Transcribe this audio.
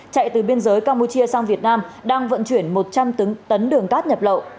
chạy từ biên giới campuchia sang việt nam đang vận chuyển một trăm linh tấn đường cát nhập lậu